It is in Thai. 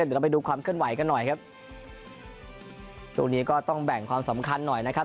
เดี๋ยวเราไปดูความเคลื่อนไหวกันหน่อยครับช่วงนี้ก็ต้องแบ่งความสำคัญหน่อยนะครับ